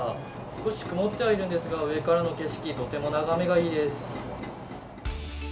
少し曇ってはいるんですが、上からの景色、とても眺めがいいです。